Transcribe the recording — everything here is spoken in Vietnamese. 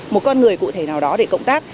một con người cụ thể nào đó để cộng tác